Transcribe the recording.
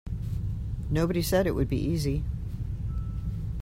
Nobody said it would be easy.